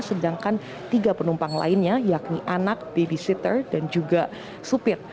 sedangkan tiga penumpang lainnya yakni anak babysitter dan juga supir